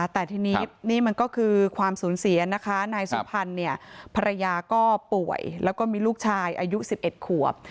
แต่ทีนี้นี่มันก็คือความสูญเสียนะคะนายสุพรรณภรรยาก็ป่วยแล้วก็มีลูกชายอายุ๑๑ขวบ